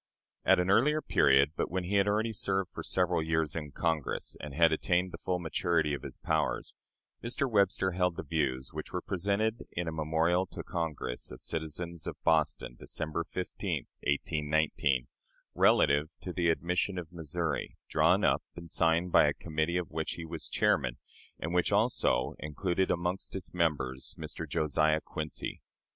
At an earlier period but when he had already served for several years in Congress, and had attained the full maturity of his powers Mr. Webster held the views which were presented in a memorial to Congress of citizens of Boston, December 15, 1819, relative to the admission of Missouri, drawn up and signed by a committee of which he was chairman, and which also included among its members Mr. Josiah Quincy.